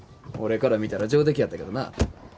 俺から見たら上出来やったけどな。